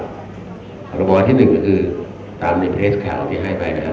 พระบอที่๑ก็คือตามในเพจข่าวที่ให้ไปนะครับ